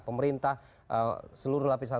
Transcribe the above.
pemerintah seluruh lapisan